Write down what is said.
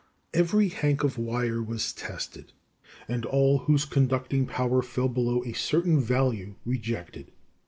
Every hank of wire was tested, and all whose conducting power fell below a certain value rejected.